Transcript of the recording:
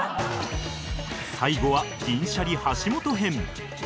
最後は銀シャリ橋本編